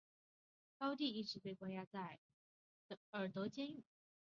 高蒂一直被关押在伊利诺斯州斯普林菲尔德监狱。